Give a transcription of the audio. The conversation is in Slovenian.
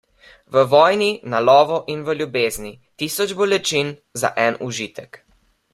V vojni, na lovu in v ljubezni - tisoč bolečin za en užitek.